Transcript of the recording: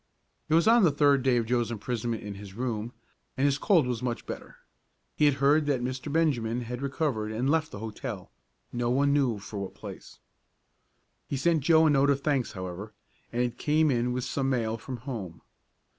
It was on the third day of Joe's imprisonment in his room, and his cold was much better. He had heard that Mr. Benjamin had recovered and left the hotel; no one knew for what place. He sent Joe a note of thanks, however, and it came in with some mail from home.